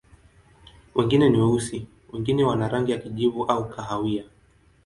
Wengine ni weusi, wengine wana rangi ya kijivu au kahawia.